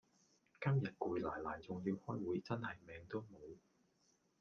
今日攰賴賴仲要開會真係命都無